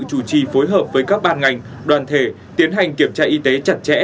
chủ trì phối hợp với các ban ngành đoàn thể tiến hành kiểm tra y tế chặt chẽ